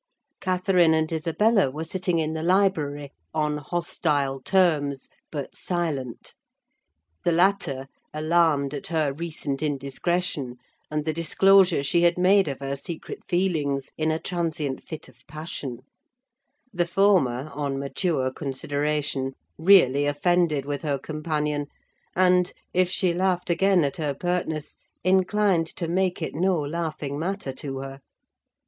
Catherine and Isabella were sitting in the library, on hostile terms, but silent: the latter alarmed at her recent indiscretion, and the disclosure she had made of her secret feelings in a transient fit of passion; the former, on mature consideration, really offended with her companion; and, if she laughed again at her pertness, inclined to make it no laughing matter to her.